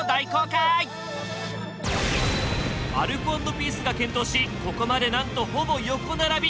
アルコ＆ピースが健闘しここまでなんとほぼ横並び！